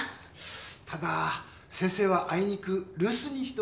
ただ先生はあいにく留守にしておりまして。